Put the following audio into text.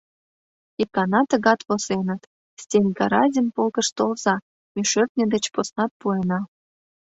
Икана тыгат возеныт: «Стенька Разин полкыш толза, ме шӧртньӧ деч поснат пуэна»...